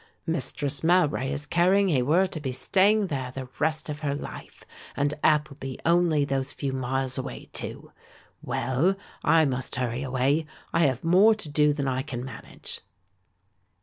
Mistress Mowbray is carrying he were to be staying there the rest of her life; and Appleby only those few miles away too. Well, I must hurry away; I have more to do than I can manage."